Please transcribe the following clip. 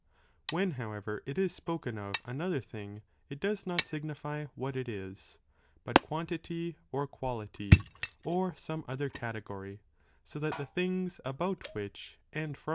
When however (it is spoken) of an other thing,§ it does not signify what it is, but quantity or quality, or some other category, so that the things about which|| and from which] buted to the thing defined.